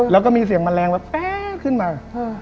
แล้วก็มีเสียงแมลงแบบแป๊ขึ้นมา